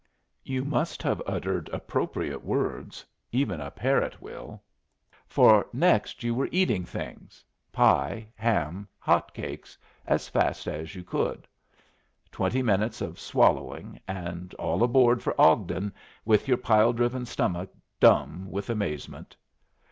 You must have uttered appropriate words even a parrot will for next you were eating things pie, ham, hot cakes as fast as you could. Twenty minutes of swallowing, and all aboard for Ogden, with your pile driven stomach dumb with amazement.